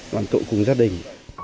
còn tụ cùng gia đình